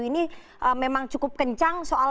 ini memang cukup kencang soal